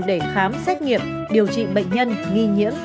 để khám xét nghiệm điều trị bệnh nhân nghi nhiễm